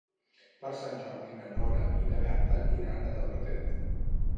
Per Sant Jordi na Nora i na Berta iran a Tavertet.